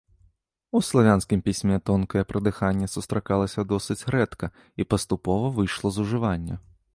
У славянскім пісьме тонкае прыдыханне сустракалася досыць рэдка і паступова выйшла з ужывання.